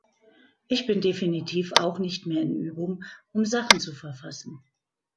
Ich bin definitiv auch nicht mehr in Übung, um Sachen zu verfassen.